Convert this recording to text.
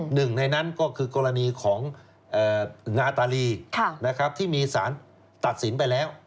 หนึ่งในนั้นก็คือกรณีของงาตาลีที่มีสารตัดสินไปแล้ว